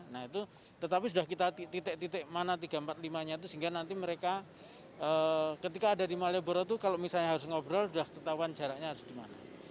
nah itu tetapi sudah kita titik titik mana tiga empat lima nya itu sehingga nanti mereka ketika ada di malioboro itu kalau misalnya harus ngobrol sudah ketahuan jaraknya harus di mana